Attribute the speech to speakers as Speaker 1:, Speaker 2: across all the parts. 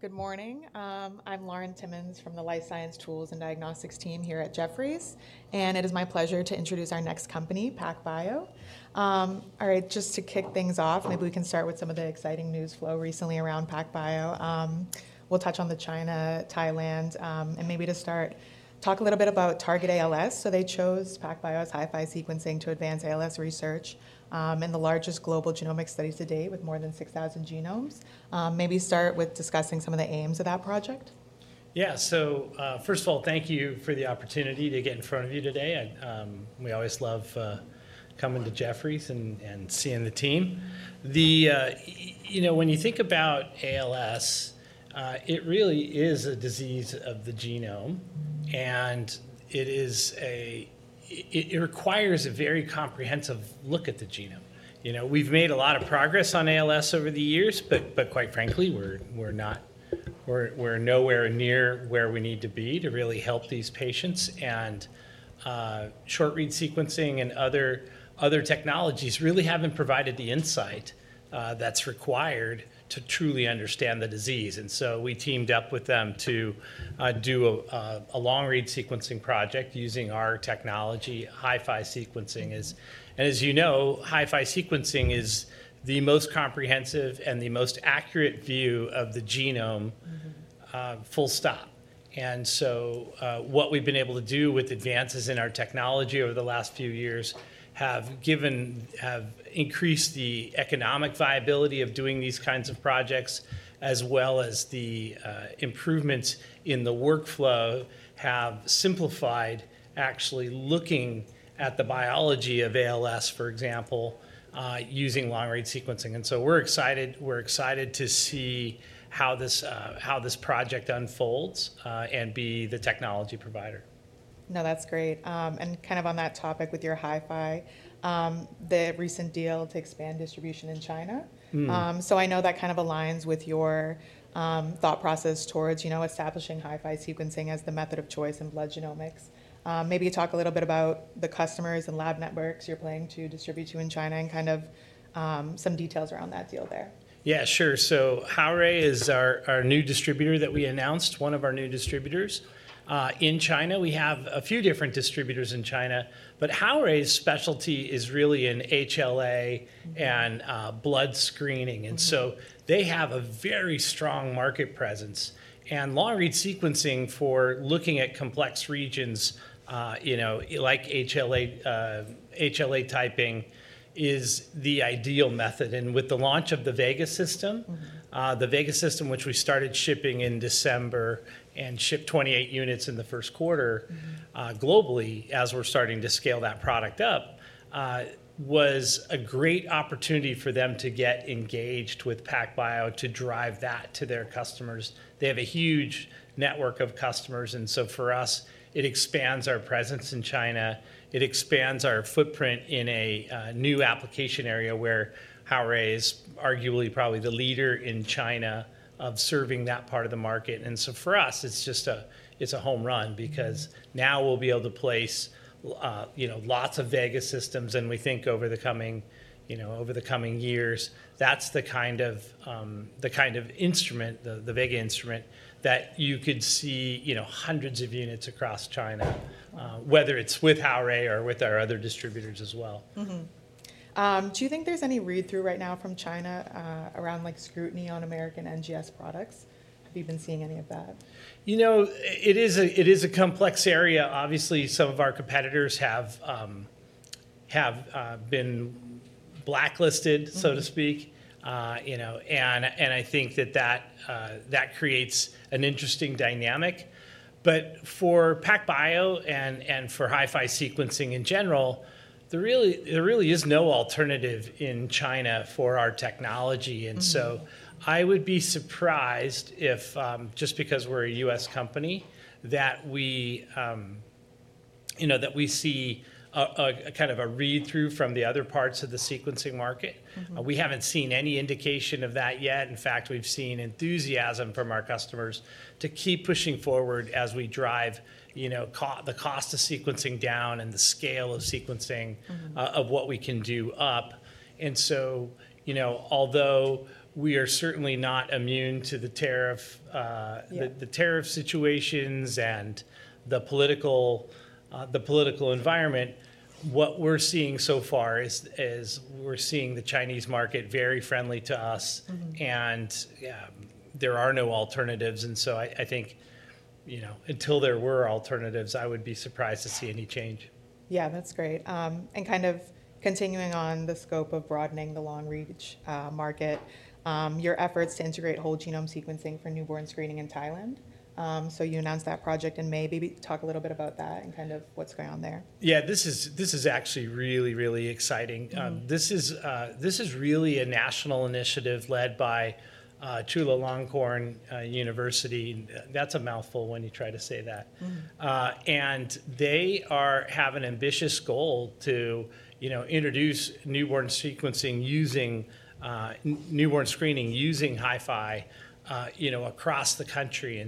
Speaker 1: Good morning. I'm Lauren Timmins from the Life Science Tools and Diagnostics team here at Jefferies, and it is my pleasure to introduce our next company, PacBio. All right, just to kick things off, maybe we can start with some of the exciting news flow recently around PacBio. We'll touch on the China, Thailand, and maybe to start, talk a little bit about Target ALS. They chose PacBio's HiFi sequencing to advance ALS research and the largest global genomic studies to date with more than 6,000 genomes. Maybe start with discussing some of the aims of that project. Yeah, so first of all, thank you for the opportunity to get in front of you today. We always love coming to Jefferies and seeing the team. You know, when you think about ALS, it really is a disease of the genome, and it requires a very comprehensive look at the genome. We've made a lot of progress on ALS over the years, but quite frankly, we're nowhere near where we need to be to really help these patients. Short-read sequencing and other technologies really haven't provided the insight that's required to truly understand the disease. We teamed up with them to do a long-read sequencing project using our technology, HiFi sequencing. As you know, HiFi sequencing is the most comprehensive and the most accurate view of the genome, full stop. What we have been able to do with advances in our technology over the last few years have increased the economic viability of doing these kinds of projects, as well as the improvements in the workflow have simplified actually looking at the biology of ALS, for example, using long-read sequencing. We are excited to see how this project unfolds and be the technology provider. No, that's great. Kind of on that topic with your HiFi, the recent deal to expand distribution in China. I know that kind of aligns with your thought process towards establishing HiFi sequencing as the method of choice in blood genomics. Maybe talk a little bit about the customers and lab networks you're planning to distribute to in China and kind of some details around that deal there. Yeah, sure. Howeray is our new distributor that we announced, one of our new distributors in China. We have a few different distributors in China, but Howeray's specialty is really in HLA and blood screening. They have a very strong market presence. Long-read sequencing for looking at complex regions, like HLA typing, is the ideal method. With the launch of the Vega system, the Vega system, which we started shipping in December and shipped 28 units in the first quarter globally as we're starting to scale that product up, was a great opportunity for them to get engaged with PacBio to drive that to their customers. They have a huge network of customers. For us, it expands our presence in China. It expands our footprint in a new application area where Howeray is arguably probably the leader in China of serving that part of the market. For us, it is a home run because now we will be able to place lots of Vega systems. We think over the coming years, that is the kind of instrument, the Vega instrument, that you could see hundreds of units across China, whether it is with Howeray or with our other distributors as well.
Speaker 2: Do you think there's any read-through right now from China around scrutiny on American NGS products? Have you been seeing any of that? You know, it is a complex area. Obviously, some of our competitors have been blacklisted, so to speak. I think that that creates an interesting dynamic. For PacBio and for HiFi sequencing in general, there really is no alternative in China for our technology. I would be surprised if, just because we're a U.S. company, that we see kind of a read-through from the other parts of the sequencing market. We haven't seen any indication of that yet. In fact, we've seen enthusiasm from our customers to keep pushing forward as we drive the cost of sequencing down and the scale of sequencing of what we can do up. Although we are certainly not immune to the tariff situations and the political environment, what we're seeing so far is we're seeing the Chinese market very friendly to us, and there are no alternatives. I think until there were alternatives, I would be surprised to see any change. Yeah, that's great. Kind of continuing on the scope of broadening the long-read market, your efforts to integrate whole genome sequencing for newborn screening in Thailand. You announced that project in May. Maybe talk a little bit about that and kind of what's going on there. Yeah, this is actually really, really exciting. This is really a national initiative led by Chulalongkorn University. That's a mouthful when you try to say that. They have an ambitious goal to introduce newborn screening using HiFi across the country.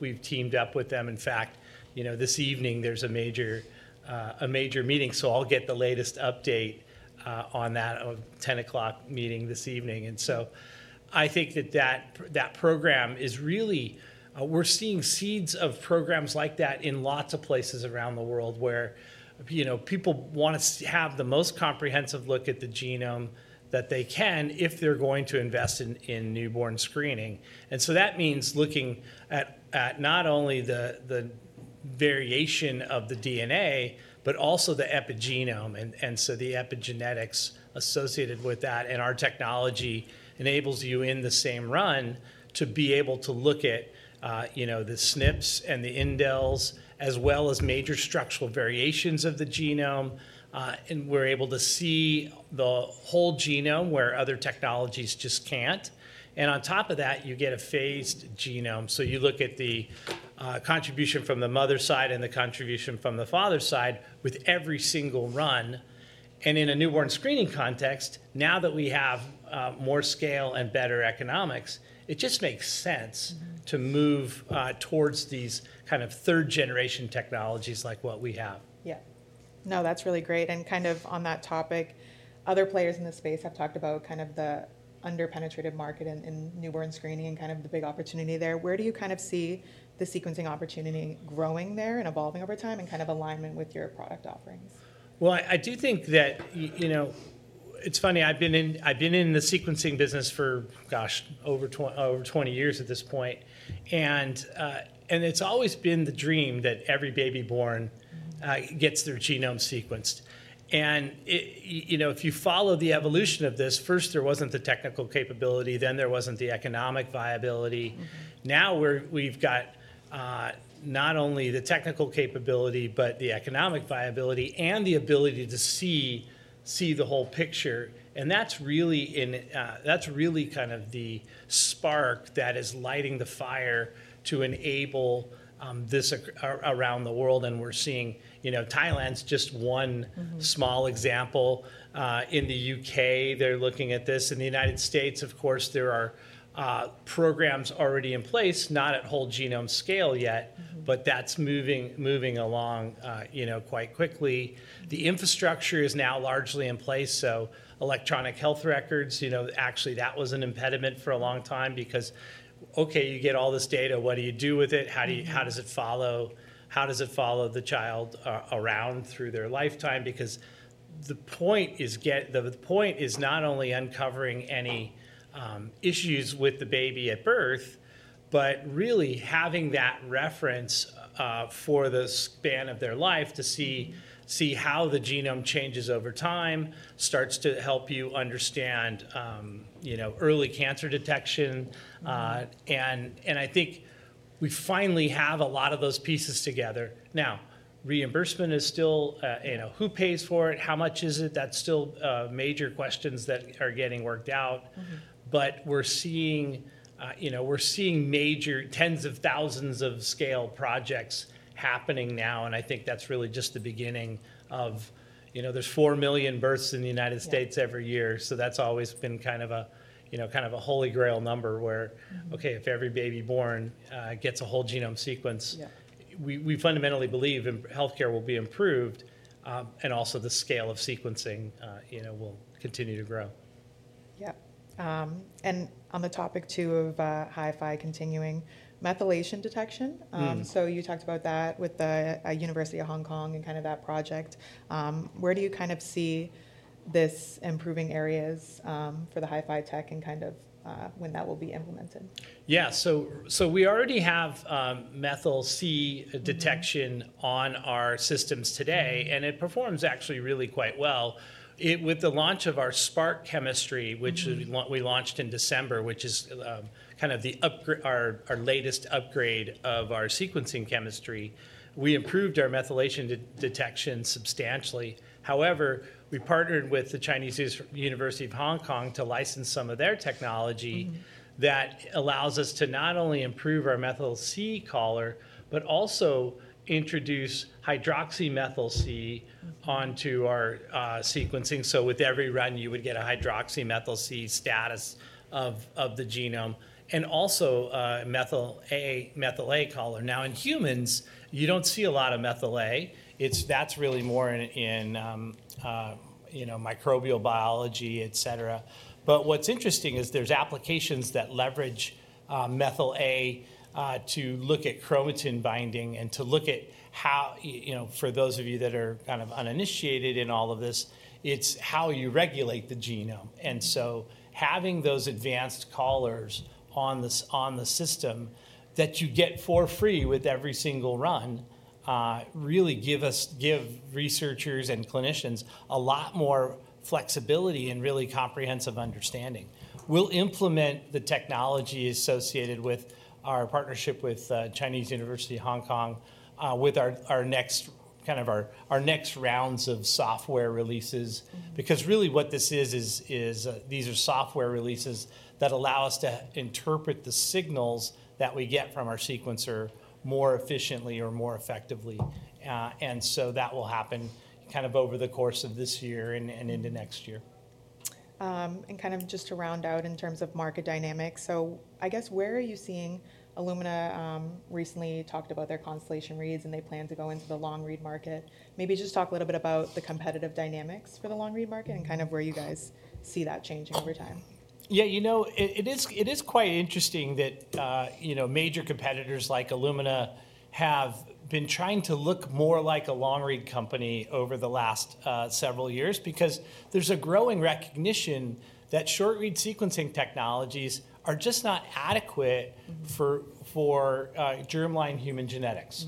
Speaker 2: We've teamed up with them. In fact, this evening, there's a major meeting. I'll get the latest update on that 10:00 P.M. meeting this evening. I think that program is really, we're seeing seeds of programs like that in lots of places around the world where people want to have the most comprehensive look at the genome that they can if they're going to invest in newborn screening. That means looking at not only the variation of the DNA, but also the epigenome. The epigenetics associated with that and our technology enables you in the same run to be able to look at the SNPs and the indels, as well as major structural variations of the genome. We are able to see the whole genome where other technologies just cannot. On top of that, you get a phased genome. You look at the contribution from the mother's side and the contribution from the father's side with every single run. In a newborn screening context, now that we have more scale and better economics, it just makes sense to move towards these kind of third-generation technologies like what we have. Yeah. No, that's really great. Kind of on that topic, other players in the space have talked about kind of the under-penetrated market in newborn screening and kind of the big opportunity there. Where do you kind of see the sequencing opportunity growing there and evolving over time in kind of alignment with your product offerings? I do think that it's funny. I've been in the sequencing business for, gosh, over 20 years at this point. It's always been the dream that every baby born gets their genome sequenced. If you follow the evolution of this, first, there wasn't the technical capability. Then there wasn't the economic viability. Now we've got not only the technical capability, but the economic viability and the ability to see the whole picture. That's really kind of the spark that is lighting the fire to enable this around the world. We're seeing Thailand's just one small example. In the U.K., they're looking at this. In the United States, of course, there are programs already in place, not at whole genome scale yet, but that's moving along quite quickly. The infrastructure is now largely in place. Electronic health records, actually, that was an impediment for a long time because, okay, you get all this data. What do you do with it? How does it follow? How does it follow the child around through their lifetime? Because the point is not only uncovering any issues with the baby at birth, but really having that reference for the span of their life to see how the genome changes over time starts to help you understand early cancer detection. I think we finally have a lot of those pieces together. Now, reimbursement is still who pays for it? How much is it? That is still major questions that are getting worked out. We are seeing tens of thousands of scale projects happening now. I think that is really just the beginning of there are four million births in the United States every year. That's always been kind of a Holy Grail number where, okay, if every baby born gets a whole genome sequence, we fundamentally believe healthcare will be improved and also the scale of sequencing will continue to grow. Yeah. And on the topic too of HiFi continuing methylation detection. You talked about that with the Chinese University of Hong Kong and kind of that project. Where do you kind of see this improving areas for the HiFi tech and kind of when that will be implemented? Yeah, so we already have methyl-C detection on our systems today, and it performs actually really quite well. With the launch of our Spark Chemistry, which we launched in December, which is kind of our latest upgrade of our sequencing chemistry, we improved our methylation detection substantially. However, we partnered with the Chinese University of Hong Kong to license some of their technology that allows us to not only improve our methyl-C color, but also introduce hydroxymethyl-C onto our sequencing. With every run, you would get a hydroxymethyl-C status of the genome and also a methyl-A color. Now in humans, you do not see a lot of methyl-A. That is really more in microbial biology, et cetera. What is interesting is there are applications that leverage methyl-A to look at chromatin binding and to look at how, for those of you that are kind of uninitiated in all of this, it is how you regulate the genome. Having those advanced colors on the system that you get for free with every single run really gives researchers and clinicians a lot more flexibility and really comprehensive understanding. We will implement the technology associated with our partnership with the Chinese University of Hong Kong with our next rounds of software releases. What this is, is these are software releases that allow us to interpret the signals that we get from our sequencer more efficiently or more effectively. That will happen over the course of this year and into next year. Kind of just to round out in terms of market dynamics, I guess where are you seeing Illumina recently talked about their constellation reads and they plan to go into the long-read market. Maybe just talk a little bit about the competitive dynamics for the long-read market and kind of where you guys see that changing over time. Yeah, you know, it is quite interesting that major competitors like Illumina have been trying to look more like a long-read company over the last several years because there is a growing recognition that short-read sequencing technologies are just not adequate for germline human genetics.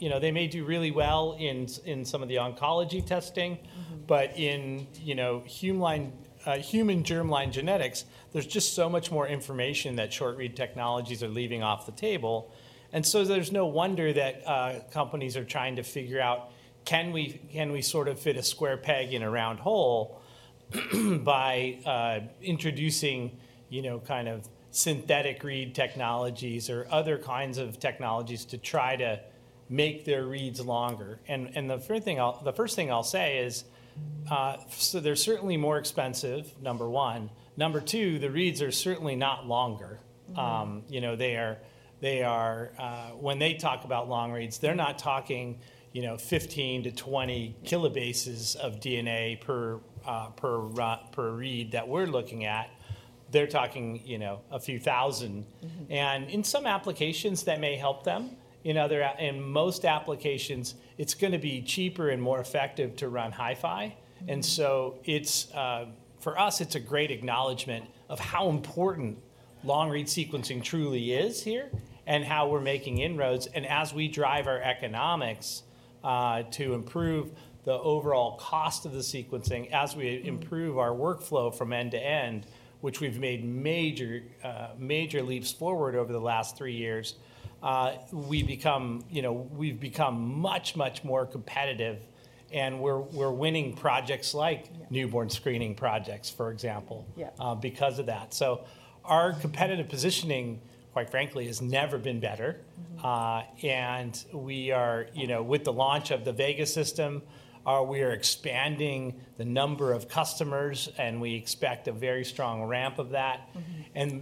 Speaker 2: They may do really well in some of the oncology testing, but in human germline genetics, there is just so much more information that short-read technologies are leaving off the table. There is no wonder that companies are trying to figure out, can we sort of fit a square peg in a round hole by introducing kind of synthetic read technologies or other kinds of technologies to try to make their reads longer. The first thing I will say is, they are certainly more expensive, number one. Number two, the reads are certainly not longer. When they talk about long-reads, they're not talking 15-20 kilobases of DNA per read that we're looking at. They're talking a few thousand. In some applications, that may help them. In most applications, it's going to be cheaper and more effective to run HiFi. For us, it's a great acknowledgment of how important long-read sequencing truly is here and how we're making inroads. As we drive our economics to improve the overall cost of the sequencing, as we improve our workflow from end to end, which we've made major leaps forward over the last three years, we've become much, much more competitive. We're winning projects like newborn screening projects, for example, because of that. Our competitive positioning, quite frankly, has never been better. With the launch of the Vega system, we are expanding the number of customers, and we expect a very strong ramp of that.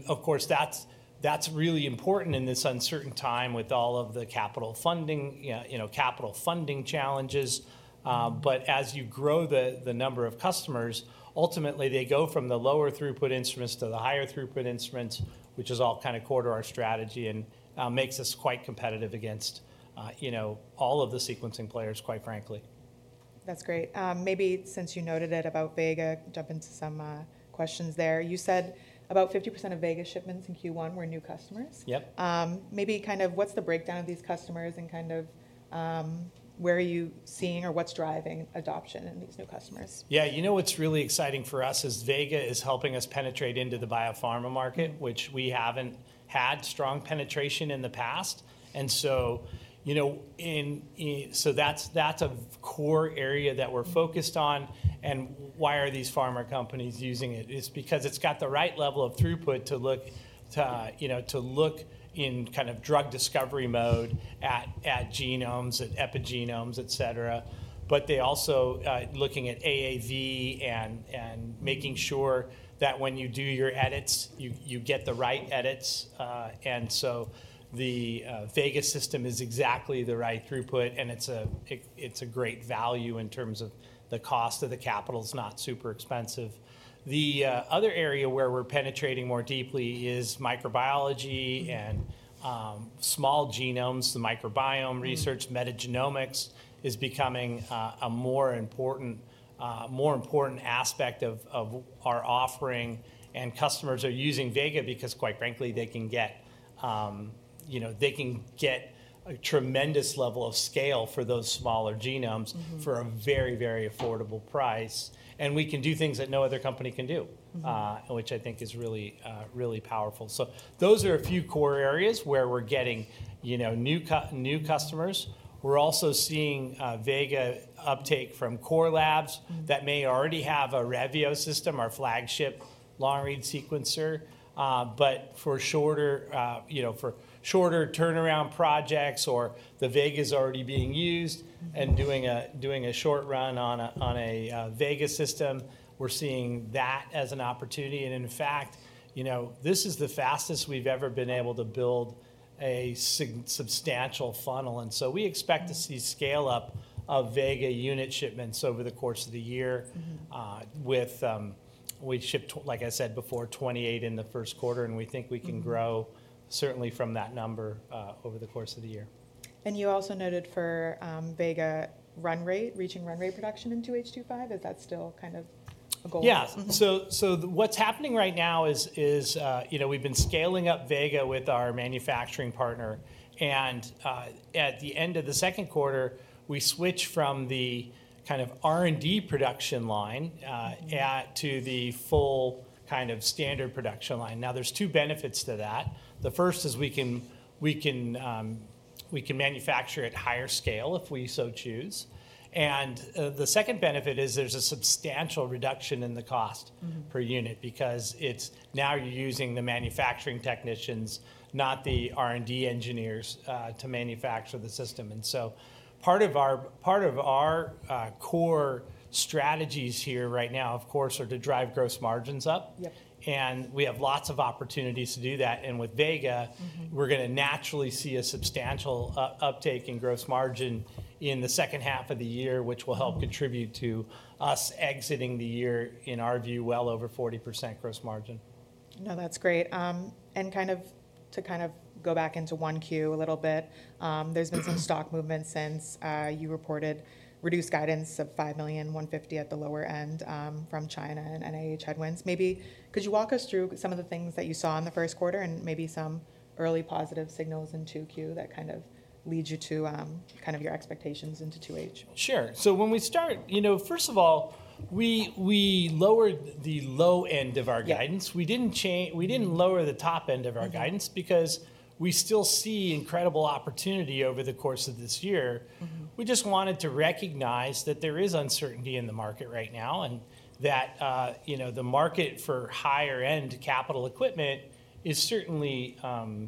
Speaker 2: Of course, that is really important in this uncertain time with all of the capital funding challenges. As you grow the number of customers, ultimately, they go from the lower throughput instruments to the higher throughput instruments, which is all kind of core to our strategy and makes us quite competitive against all of the sequencing players, quite frankly. That's great. Maybe since you noted it about Vega, jump into some questions there. You said about 50% of Vega shipments in Q1 were new customers. Yep. Maybe kind of what's the breakdown of these customers and kind of where are you seeing or what's driving adoption in these new customers? Yeah, you know what's really exciting for us is Vega is helping us penetrate into the biopharma market, which we haven't had strong penetration in the past. That is a core area that we're focused on. Why are these pharma companies using it? It's because it's got the right level of throughput to look in kind of drug discovery mode at genomes, at epigenomes, et cetera. They're also looking at AAV and making sure that when you do your edits, you get the right edits. The Vega system is exactly the right throughput, and it's a great value in terms of the cost of the capital. It's not super expensive. The other area where we're penetrating more deeply is microbiology and small genomes, the microbiome research, metagenomics is becoming a more important aspect of our offering. Customers are using Vega because, quite frankly, they can get a tremendous level of scale for those smaller genomes for a very, very affordable price. We can do things that no other company can do, which I think is really powerful. Those are a few core areas where we're getting new customers. We're also seeing Vega uptake from core labs that may already have a Revio system, our flagship long-read sequencer. For shorter turnaround projects or if the Vega is already being used and doing a short run on a Vega System, we're seeing that as an opportunity. In fact, this is the fastest we've ever been able to build a substantial funnel. We expect to see scale-up of Vega unit shipments over the course of the year. We shipped, like I said before, 28 in the first quarter, and we think we can grow certainly from that number over the course of the year. You also noted for Vega reaching run rate production in 2H 2025. Is that still kind of a goal? Yeah. So what's happening right now is we've been scaling up Vega with our manufacturing partner. At the end of the second quarter, we switch from the kind of R&D production line to the full kind of standard production line. Now, there are two benefits to that. The first is we can manufacture at higher scale if we so choose. The second benefit is there's a substantial reduction in the cost per unit because now you're using the manufacturing technicians, not the R&D engineers, to manufacture the system. Part of our core strategies here right now, of course, are to drive gross margins up. We have lots of opportunities to do that. With Vega, we're going to naturally see a substantial uptake in gross margin in the second half of the year, which will help contribute to us exiting the year, in our view, well over 40% gross margin. No, that's great. And to kind of go back into 1Q a little bit, there's been some stock movement since you reported reduced guidance of $5,150,000 at the lower end from China and NIH headwinds. Maybe could you walk us through some of the things that you saw in the first quarter and maybe some early positive signals in 2Q that kind of lead you to your expectations into 2H? Sure. When we start, first of all, we lowered the low end of our guidance. We did not lower the top end of our guidance because we still see incredible opportunity over the course of this year. We just wanted to recognize that there is uncertainty in the market right now and that the market for higher-end capital equipment is certainly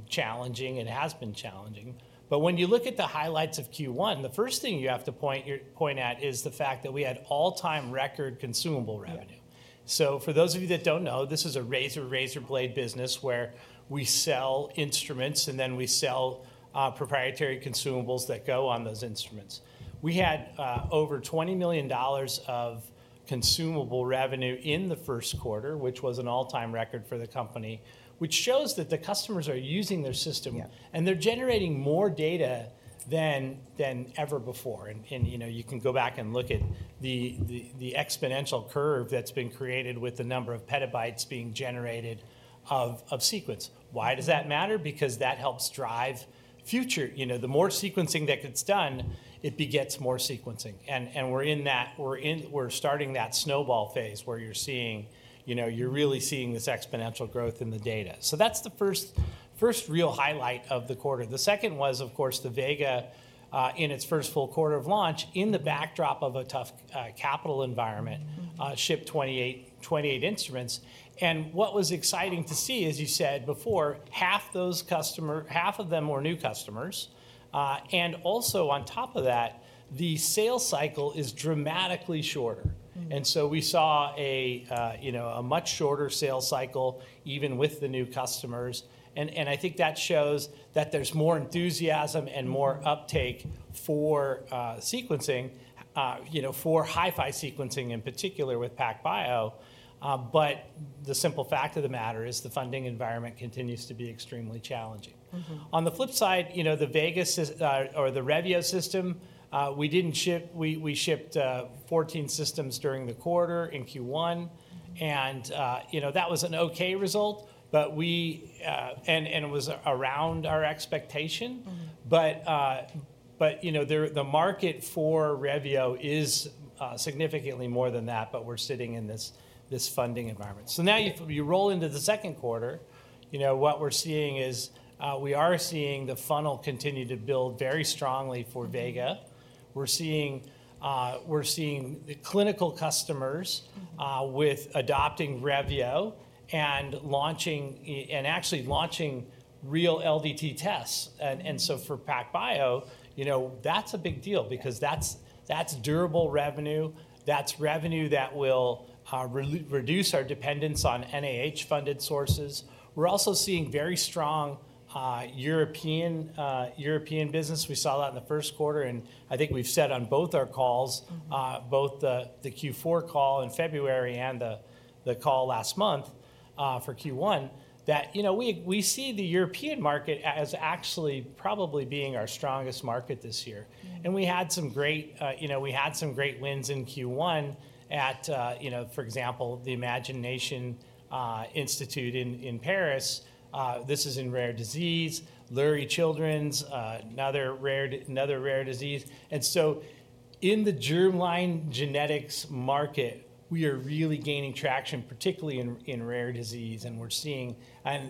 Speaker 2: challenging and has been challenging. When you look at the highlights of Q1, the first thing you have to point at is the fact that we had all-time record consumable revenue. For those of you that do not know, this is a razor-blade business where we sell instruments and then we sell proprietary consumables that go on those instruments. We had over $20 million of consumable revenue in the first quarter, which was an all-time record for the company, which shows that the customers are using their system and they're generating more data than ever before. You can go back and look at the exponential curve that's been created with the number of petabytes being generated of sequence. Why does that matter? Because that helps drive future. The more sequencing that gets done, it begets more sequencing. We're starting that snowball phase where you're really seeing this exponential growth in the data. That's the first real highlight of the quarter. The second was, of course, the Vega in its first full quarter of launch in the backdrop of a tough capital environment, shipped 28 instruments. What was exciting to see, as you said before, half of them were new customers. Also on top of that, the sales cycle is dramatically shorter. We saw a much shorter sales cycle even with the new customers. I think that shows that there is more enthusiasm and more uptake for sequencing, for HiFi sequencing in particular with PacBio. The simple fact of the matter is the funding environment continues to be extremely challenging. On the flip side, the Revio system, we shipped 14 systems during the quarter in Q1. That was an okay result, and it was around our expectation. The market for Revio is significantly more than that, but we are sitting in this funding environment. Now you roll into the second quarter, what we are seeing is we are seeing the funnel continue to build very strongly for Vega. We are seeing the clinical customers adopting Revio and actually launching real LDT tests. For PacBio, that's a big deal because that's durable revenue. That's revenue that will reduce our dependence on NIH-funded sources. We're also seeing very strong European business. We saw that in the first quarter. I think we've said on both our calls, both the Q4 call in February and the call last month for Q1, that we see the European market as actually probably being our strongest market this year. We had some great wins in Q1 at, for example, the Institut Imagine in Paris. This is in rare disease. Lurie Children's, another rare disease. In the germline genetics market, we are really gaining traction, particularly in rare disease.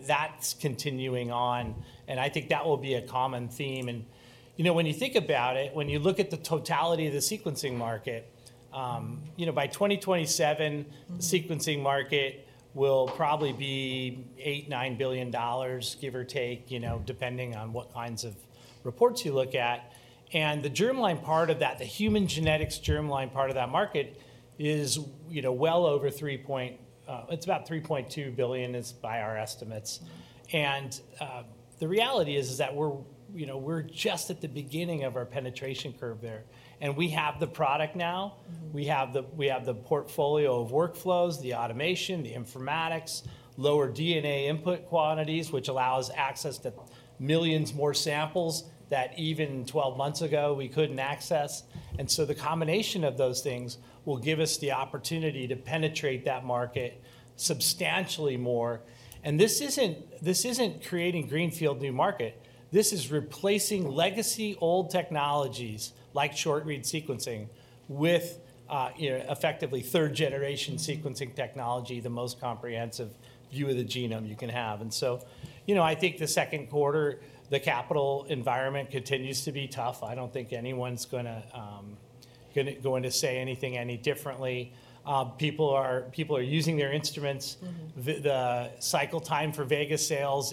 Speaker 2: That's continuing on. I think that will be a common theme. When you think about it, when you look at the totality of the sequencing market, by 2027, the sequencing market will probably be $8 billion-$9 billion, give or take, depending on what kinds of reports you look at. The germline part of that, the human genetics germline part of that market, is well over $3 billion. It is about $3.2 billion by our estimates. The reality is that we are just at the beginning of our penetration curve there. We have the product now. We have the portfolio of workflows, the automation, the informatics, lower DNA input quantities, which allows access to millions more samples that even 12 months ago we could not access. The combination of those things will give us the opportunity to penetrate that market substantially more. This is not creating a greenfield new market. This is replacing legacy old technologies like short-read sequencing with effectively third-generation sequencing technology, the most comprehensive view of the genome you can have. I think the second quarter, the capital environment continues to be tough. I do not think anyone is going to say anything any differently. People are using their instruments. The cycle time for Vega sales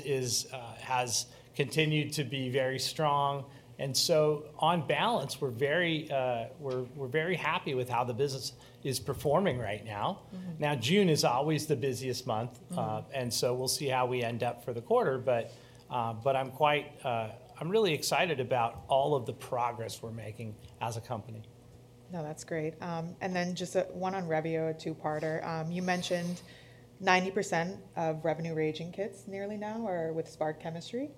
Speaker 2: has continued to be very strong. On balance, we are very happy with how the business is performing right now. June is always the busiest month. We will see how we end up for the quarter. I am really excited about all of the progress we are making as a company. No, that's great. And then just one on Revio, a two-parter. You mentioned 90% of revenue-generating kits nearly now are with Spark Chemistry.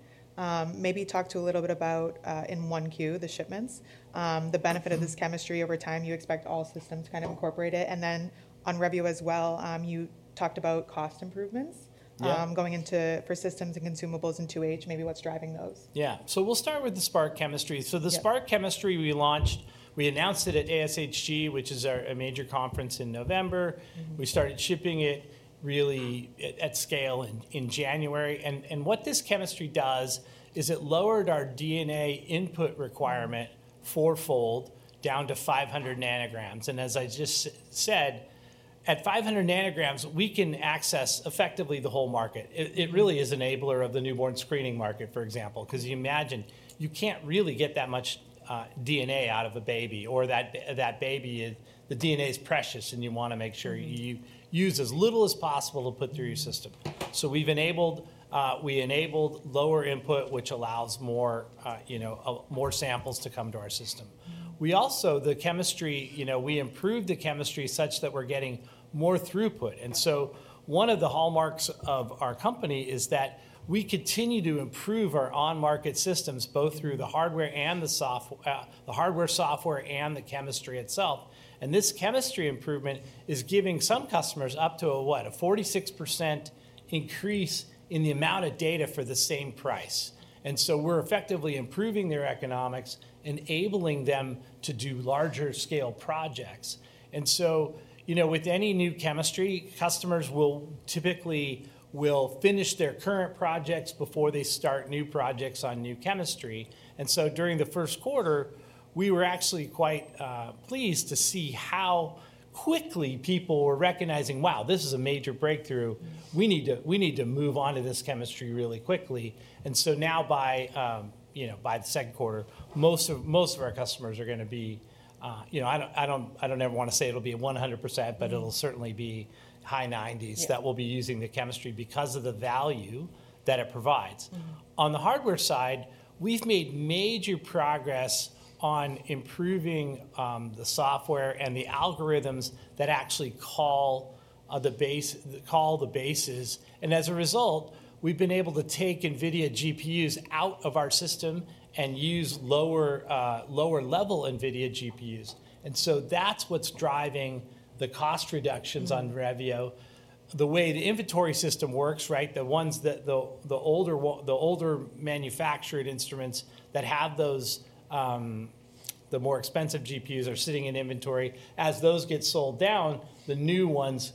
Speaker 2: Maybe talk a little bit about in 1Q, the shipments, the benefit of this chemistry over time. You expect all systems to kind of incorporate it. And then on Revio as well, you talked about cost improvements going into for systems and consumables in 2H, maybe what's driving those. Yeah. We'll start with the Spark Chemistry. The Spark Chemistry, we announced it at ASHG, which is a major conference in November. We started shipping it really at scale in January. What this chemistry does is it lowered our DNA input requirement four-fold down to 500 nanograms. As I just said, at 500 nanograms, we can access effectively the whole market. It really is an enabler of the newborn screening market, for example, because you imagine you can't really get that much DNA out of a baby or that baby, the DNA is precious and you want to make sure you use as little as possible to put through your system. We enabled lower input, which allows more samples to come to our system. The chemistry, we improved the chemistry such that we're getting more throughput. One of the hallmarks of our company is that we continue to improve our on-market systems both through the hardware, software, and the chemistry itself. This chemistry improvement is giving some customers up to a, what, a 46% increase in the amount of data for the same price. We are effectively improving their economics, enabling them to do larger-scale projects. With any new chemistry, customers typically will finish their current projects before they start new projects on new chemistry. During the first quarter, we were actually quite pleased to see how quickly people were recognizing, wow, this is a major breakthrough. We need to move on to this chemistry really quickly. By the second quarter, most of our customers are going to be, I do not ever want to say it will be 100%, but it will certainly be high 90s that will be using the chemistry because of the value that it provides. On the hardware side, we have made major progress on improving the software and the algorithms that actually call the bases. As a result, we have been able to take NVIDIA GPUs out of our system and use lower-level NVIDIA GPUs. That is what is driving the cost reductions on Revio. The way the inventory system works, the older manufactured instruments that have the more expensive GPUs are sitting in inventory. As those get sold down, the new ones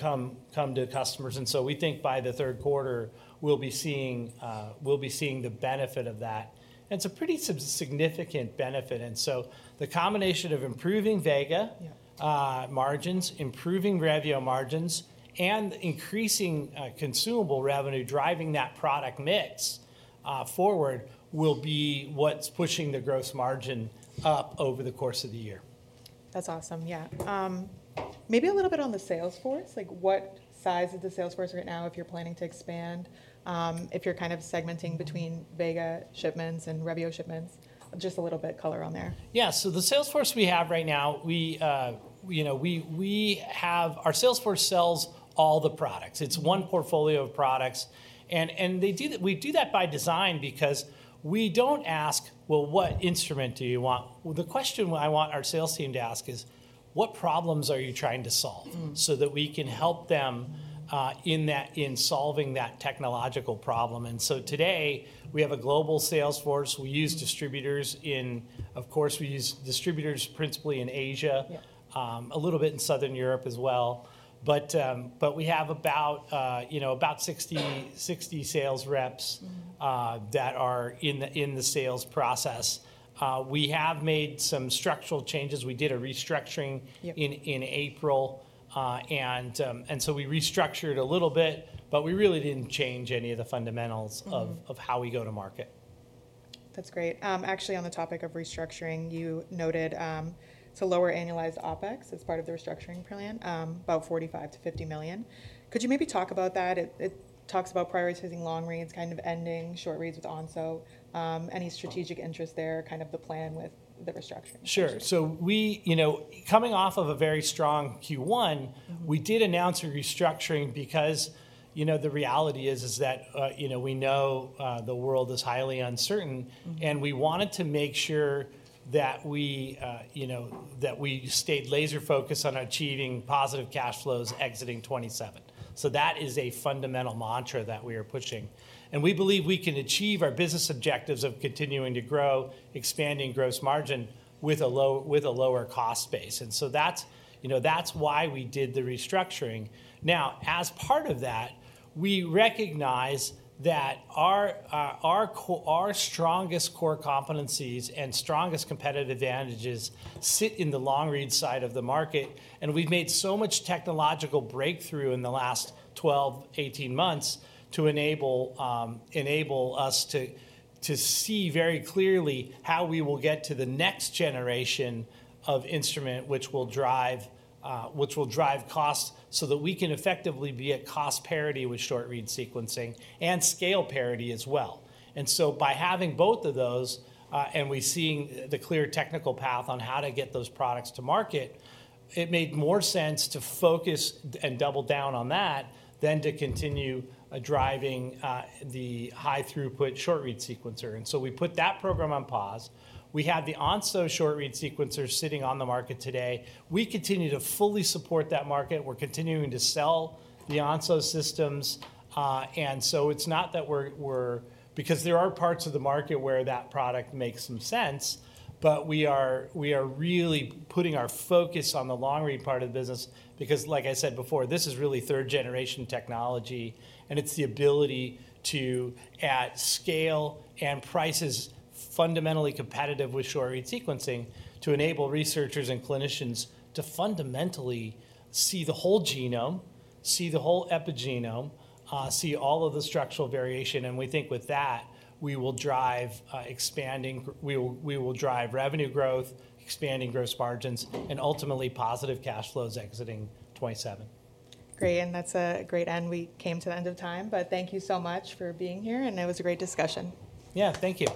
Speaker 2: come to customers. We think by the third quarter, we will be seeing the benefit of that. It is a pretty significant benefit. The combination of improving Vega margins, improving Revio margins, and increasing consumable revenue driving that product mix forward will be what is pushing the gross margin up over the course of the year. That's awesome. Yeah. Maybe a little bit on the sales force. What size is the sales force right now if you're planning to expand, if you're kind of segmenting between Vega shipments and Revio shipments? Just a little bit of color on there. Yeah. So the sales force we have right now, our sales force sells all the products. It's one portfolio of products. We do that by design because we don't ask, well, what instrument do you want? The question I want our sales team to ask is, what problems are you trying to solve so that we can help them in solving that technological problem? Today, we have a global sales force. We use distributors in, of course, we use distributors principally in Asia, a little bit in Southern Europe as well. We have about 60 sales reps that are in the sales process. We have made some structural changes. We did a restructuring in April. We restructured a little bit, but we really didn't change any of the fundamentals of how we go to market. That's great. Actually, on the topic of restructuring, you noted to lower annualized OpEx as part of the restructuring plan, about $45 million-$50 million. Could you maybe talk about that? It talks about prioritizing long reads, kind of ending short reads with Onso. Any strategic interest there, kind of the plan with the restructuring? Sure. Coming off of a very strong Q1, we did announce a restructuring because the reality is that we know the world is highly uncertain. We wanted to make sure that we stayed laser-focused on achieving positive cash flows exiting 2027. That is a fundamental mantra that we are pushing. We believe we can achieve our business objectives of continuing to grow, expanding gross margin with a lower cost base. That is why we did the restructuring. As part of that, we recognize that our strongest core competencies and strongest competitive advantages sit in the long read side of the market. We have made so much technological breakthrough in the last 12-18 months to enable us to see very clearly how we will get to the next generation of instrument, which will drive cost so that we can effectively be at cost parity with short-read sequencing and scale parity as well. By having both of those and seeing the clear technical path on how to get those products to market, it made more sense to focus and double down on that than to continue driving the high-throughput short-read sequencer. We put that program on pause. We have the Onso short-read sequencer sitting on the market today. We continue to fully support that market. We are continuing to sell the Onso Systems. It is not that we are, because there are parts of the market where that product makes some sense, but we are really putting our focus on the long-read part of the business because, like I said before, this is really third-generation technology. It is the ability to, at scale and prices fundamentally competitive with short-read sequencing, enable researchers and clinicians to fundamentally see the whole genome, see the whole epigenome, see all of the structural variation. We think with that, we will drive revenue growth, expanding gross margins, and ultimately positive cash flows exiting 2027. Great. That's a great end. We came to the end of time. Thank you so much for being here. It was a great discussion. Yeah, thank you.